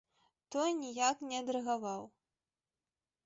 Той ніяк не адрэагаваў.